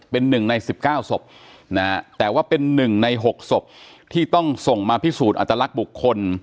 เป็นหนึ่งใน๑๙ศพนะฮะแต่ว่าเป็น๑ใน๖ศพที่ต้องส่งมาพิสูจน์อัตลักษณ์บุคคล